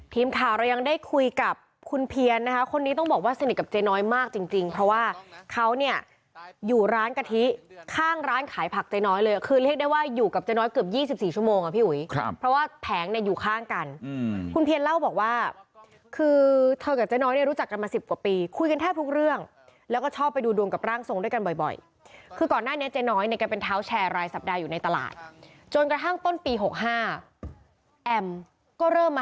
ทีมข่าวเรายังได้คุยกับคุณเพียรนะคะคนนี้ต้องบอกว่าสนิทกับเจ๊น้อยมากจริงเพราะว่าเขาเนี่ยอยู่ร้านกะทิข้างร้านขายผักเจ๊น้อยเลยคือเรียกได้ว่าอยู่กับเจ๊น้อยเกือบ๒๔ชั่วโมงอ่ะพี่หุยเพราะว่าแผงเนี่ยอยู่ข้างกันคุณเพียรเล่าบอกว่าคือเธอกับเจ๊น้อยเนี่ยรู้จักกันมา๑๐กว่าปีคุยกันแท